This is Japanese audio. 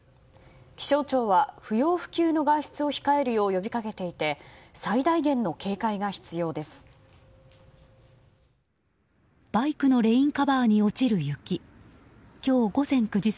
気象庁は不要不急の外出を控えるよう呼びかけていて最大限の警戒が必要です。